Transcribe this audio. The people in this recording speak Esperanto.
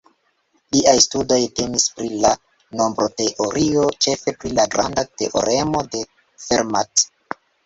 Liaj studoj temis pri la nombroteorio, ĉefe pri la granda teoremo de Fermat.